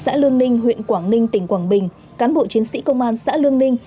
xã lương ninh huyện quảng ninh tỉnh quảng bình cán bộ chiến sĩ công an xã lương ninh